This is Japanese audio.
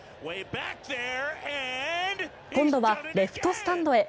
今度はレストスタンドへ。